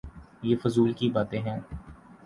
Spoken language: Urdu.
یہ فضول کی باتیں ہیں۔